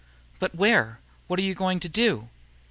"But where? What are you going to do?"